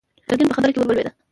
ګرګين په خبره کې ور ولوېد.